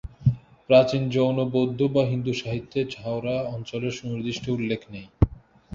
প্রাচীন জৈন, বৌদ্ধ বা হিন্দু সাহিত্যে হাওড়া অঞ্চলের সুনির্দিষ্ট উল্লেখ নেই।